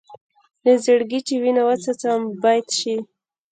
له زړګي چې وینه وڅڅوم بیت شي.